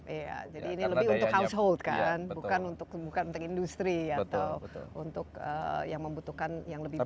iya jadi ini lebih untuk household kan bukan untuk industri atau untuk yang membutuhkan yang lebih banyak